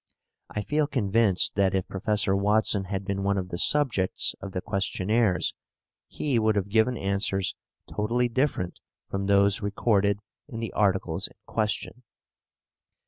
I feel convinced that if Professor Watson had been one of the subjects of the questionnaires, he would have given answers totally different from those recorded in the articles in question.